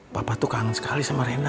bapak tuh kangen sekali sama rena